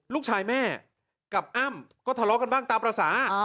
ลูกชายแม่กับอ้ำก็ทะเลาะกันบ้างตามภาษา